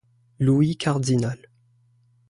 Louis Cardinal.